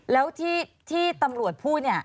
แล้วที่ตำรวจพูดเนี่ย